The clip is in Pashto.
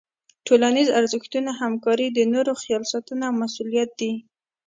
ټولنیز ارزښتونه همکاري، د نورو خیال ساتنه او مسؤلیت دي.